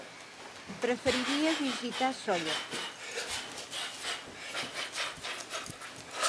Preferiria visitar Sóller.